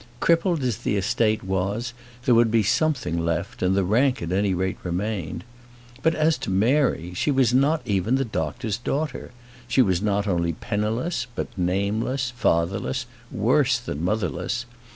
Crippled as the estate was, there would be something left, and the rank at any rate remained. But as to Mary, she was not even the doctor's daughter. She was not only penniless, but nameless, fatherless, worse than motherless!